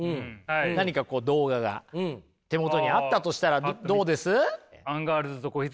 何か動画が手元にあったとしたらどうです？